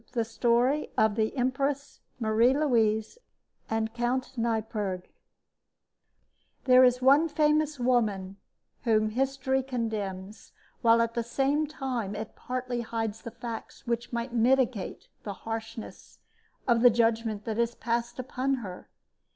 THE STORY OF THE EMPRESS MARIE LOUISE AND COUNT NEIPPERG There is one famous woman whom history condemns while at the same time it partly hides the facts which might mitigate the harshness of the judgment that is passed upon her.